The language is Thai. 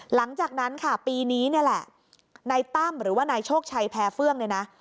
หลังจากนั้นค่ะปีนี้นี่แหละนายตั้มหรือว่านายโชคชัยแพ้เฟื่องเนี่ยนะ